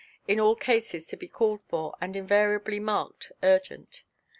in all cases to be called for, and invariably marked "urgent."